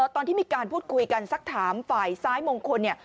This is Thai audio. ตอนที่มีการพูดคุยกันสักถามฝ่ายซ้ายมงคลเนี่ย